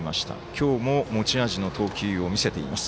今日も持ち味の投球を見せています。